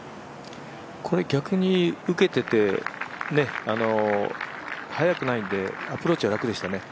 これ逆に受けてて、速くないんでアプローチは楽でしたね。